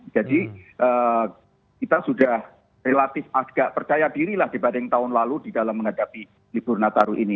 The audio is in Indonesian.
jadi kita sudah relatif agak percaya dirilah dibanding tahun lalu di dalam menghadapi libur nataru